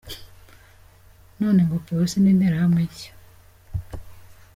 None ngo Polisi ni interahamwe nshya.